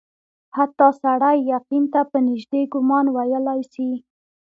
حتی سړی یقین ته په نیژدې ګومان ویلای سي.